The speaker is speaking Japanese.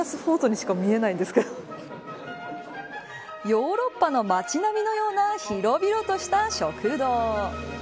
ヨーロッパの街並みのような広々とした食堂。